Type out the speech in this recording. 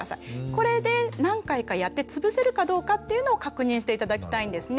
これで何回かやってつぶせるかどうかっていうのを確認して頂きたいんですね。